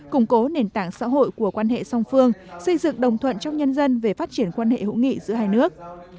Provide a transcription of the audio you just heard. củng cố nền tảng xã hội của quan hệ song phương xây dựng đồng thuận trong nhân dân về phát triển quan hệ hữu nghị giữa hai nước